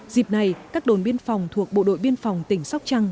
dịp này các đồn biên phòng thuộc bộ đội biên phòng tỉnh sóc trăng